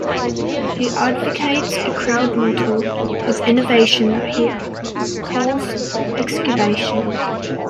He advocates a crowd model of innovation that he calls Excubation.